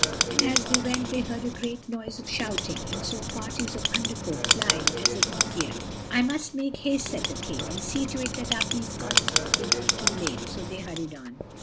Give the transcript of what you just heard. And as they went they heard a great noise of shouting, and saw parties of Under Folk flying as if in fear. "I must make haste," said the King, "and see to it that our Peace Conference be not too late"—so they hurried on.